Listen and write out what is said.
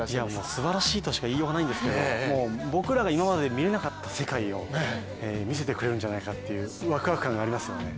すばらしいとしか言いようがないんですけど、もう僕らが今まで見られなかった世界を見せてくれるんじゃないかというわくわく感がありますよね。